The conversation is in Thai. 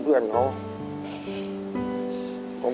ผมคิดว่าสงสารแกครับ